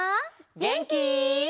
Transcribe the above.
げんき？